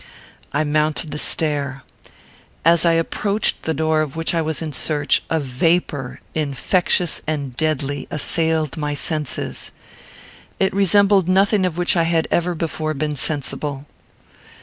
I mounted the stair. As I approached the door of which I was in search, a vapour, infectious and deadly, assailed my senses. It resembled nothing of which I had ever before been sensible.